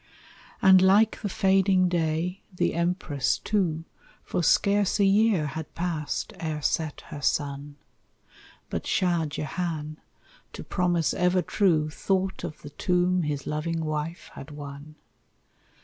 And like the fading day, the Empress, too, For scarce a year had passed ere set her sun, But Shah Jehan, to promise ever true, Thought of the tomb his loving wife had won.